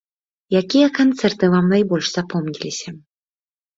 Якія канцэрты вам найбольш запомніліся?